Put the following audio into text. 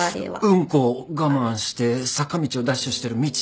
うんこを我慢して坂道をダッシュしてるみち。